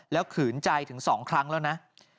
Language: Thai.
ขืนใจถึง๒ครั้งแล้วนะ